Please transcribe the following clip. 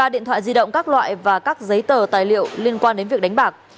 ba điện thoại di động các loại và các giấy tờ tài liệu liên quan đến việc đánh bạc